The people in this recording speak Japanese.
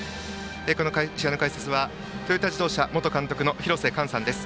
この試合の解説はトヨタ自動車元監督の廣瀬寛さんです。